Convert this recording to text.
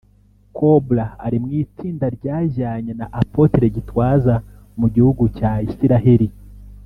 Cobra ari mu itsinda ryajyanye na Apotre Gitwaza mu gihugu cya Isiraheri